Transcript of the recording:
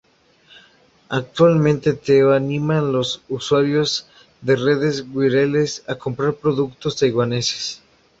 Actualmente, Theo anima a los usuarios de redes wireless a comprar productos taiwaneses.